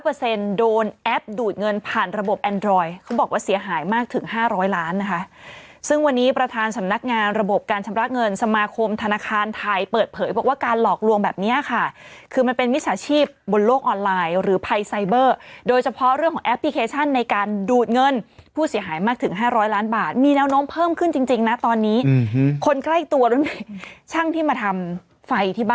๑๐๐เปอร์เซ็นต์โดนแอปดูดเงินผ่านระบบแอนดรอยเขาบอกว่าเสียหายมากถึง๕๐๐ล้านค่ะซึ่งวันนี้ประธานสำนักงานระบบการชำระเงินสมาคมธนาคารไทยเปิดเผยว่าการหลอกลวงแบบนี้ค่ะคือมันเป็นมิจฉาชีพบนโลกออนไลน์หรือไพไซเบอร์โดยเฉพาะเรื่องแอปพลิเคชันในการดูดเงินผู้เสียหายมากถึง๕๐๐ล้านบาท